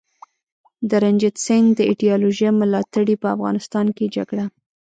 د رنجیت سینګ د ایډیالوژۍ ملاتړي په افغانستان کي جګړه